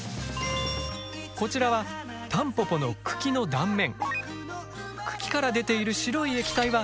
こちらはタンポポの茎の断面。